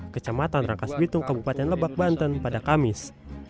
kecamatan rangkas bitung kabupaten lebak banten pada kamis